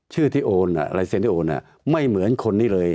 ชื่อที่โอนลายเซ็นที่โอนไม่เหมือนคนนี้เลย